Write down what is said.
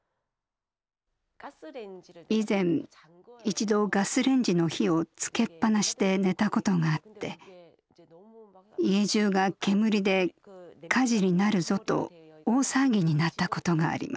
以前一度ガスレンジの火を付けっぱなしで寝たことがあって家じゅうが煙で火事になるぞと大騒ぎになったことがあります。